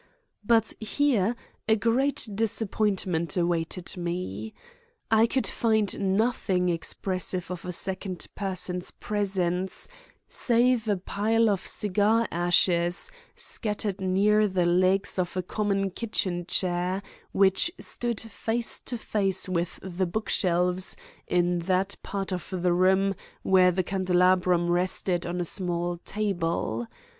But here a great disappointment awaited me. I could find nothing expressive of a second person's presence save a pile of cigar ashes scattered near the legs of a common kitchen chair which stood face to face with the book shelves in that part of the room where the candelabrum rested on a small table.